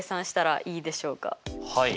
はい。